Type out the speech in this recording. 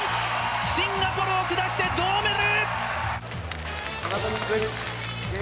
シンガポールを下して銅メダル！